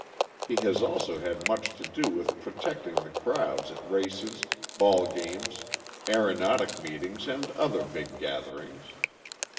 He has also had much to do with protecting the crowds at races, ball games, aeronautic meetings and other big gatherings.